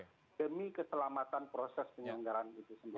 untuk kelelamatan proses penyelenggaraan itu sendiri